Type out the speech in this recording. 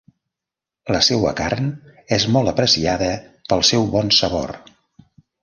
La seua carn és molt apreciada pel seu bon sabor.